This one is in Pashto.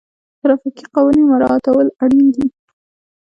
ټرافیکي قوانین مراعتول اړین دي.